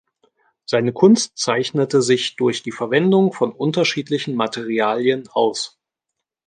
Seine Kunst zeichnete sich durch die Verwendung von unterschiedlichen Materialien aus.